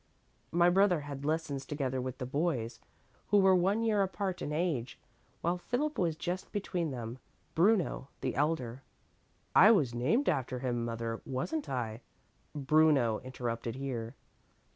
My brother had lessons together with the boys, who were one year apart in age, while Philip was just between them. Bruno, the elder " "I was named after him, mother, wasn't I?" Bruno interrupted here.